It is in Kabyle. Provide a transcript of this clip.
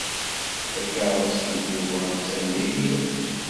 Takeṛṛust n Yuba attan dihin.